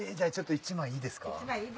１枚でいいですか。